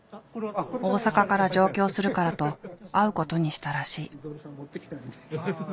大阪から上京するからと会うことにしたらしい。